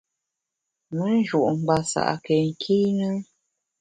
Me nju’ ngbasa’ ke nkîne ?